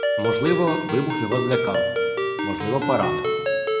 Можливо, вибух його злякав, можливо, поранив.